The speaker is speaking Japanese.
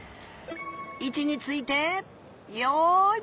いちについてよい。